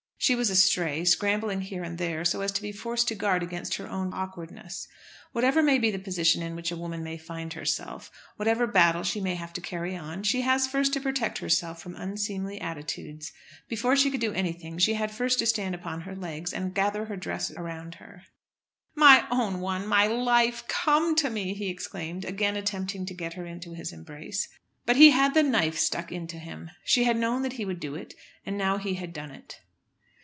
She was astray, scrambling here and there, so as to be forced to guard against her own awkwardness. Whatever may be the position in which a woman may find herself, whatever battle she may have to carry on, she has first to protect herself from unseemly attitudes. Before she could do anything she had first to stand upon her legs, and gather her dress around her. "My own one, my life, come to me!" he exclaimed, again attempting to get her into his embrace. But he had the knife stuck into him. She had known that he would do it, and now he had done it.